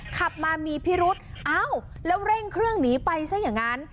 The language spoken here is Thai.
ขับมามีพิรุษเอ้าแล้วเร่งเครื่องหนีไปซะอย่างนั้น